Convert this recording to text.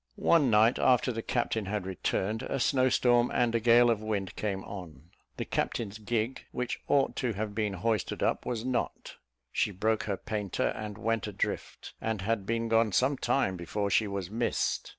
One night, after the captain had returned, a snow storm and a gale of wind came on. The captain's gig, which ought to have been hoisted up, was not; she broke her painter, and went adrift, and had been gone some time before she was missed.